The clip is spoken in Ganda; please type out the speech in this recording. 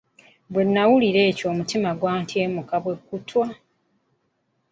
Bwe nawulira ekyo omutima gwantyemuka be ttwa.